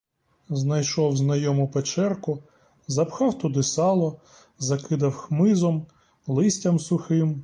Знайшов знайому печерку, запхав туди сало, закидав хмизом, листям сухим.